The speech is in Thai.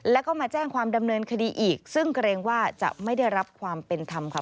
แล้วก็มาแจ้งความดำเนินคดีอีกซึ่งเกรงว่าจะไม่ได้รับความเป็นธรรมค่ะ